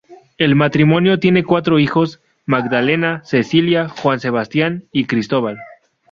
El matrimonio tiene cuatro hijos: Magdalena, Cecilia, Juan Sebastián y Cristóbal.